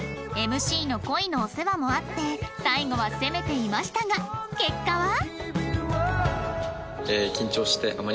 ＭＣ の恋のお世話もあって最後は攻めていましたが結果は？